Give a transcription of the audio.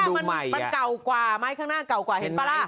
ทบนติสีเผาเบ่นนั่น